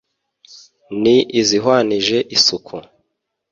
Ni izihwanije isuku